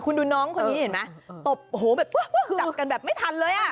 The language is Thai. คุณดูน้องคนนี้เห็นไหมตบโอ้โหแบบปุ๊บจับกันแบบไม่ทันเลยอ่ะ